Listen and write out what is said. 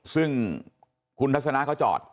ซึ่งคุณทัศนะเขาจอด